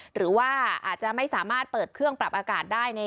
หรือว่าอาจจะไม่สามารถเปิดเครื่องปรับอากาศได้